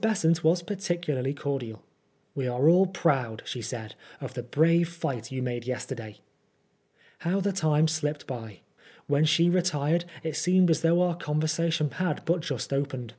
Besant was par ticularly cordial. " We are all proud," she said, of the brave fight you made yesterday." How the time slipped by I When she retired it seemed as though our conversation had but just opened.